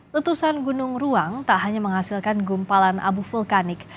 letusan gunung ruang tak hanya menghasilkan gumpalan abu vulkanik